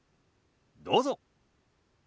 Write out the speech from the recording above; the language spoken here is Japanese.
どうぞ。